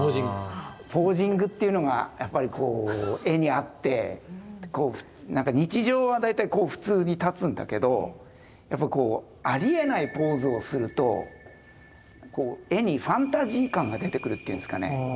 ポージングっていうのがやっぱりこう絵にあって日常は大体こう普通に立つんだけどやっぱりありえないポーズをすると絵にファンタジー感が出てくるっていうんですかね。